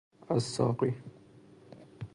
الصاقی